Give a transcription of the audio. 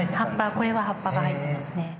これは葉っぱが入ってますね。